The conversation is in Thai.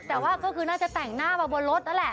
แต่ว่าก็คือน่าจะแต่งหน้ามาบนรถนั่นแหละ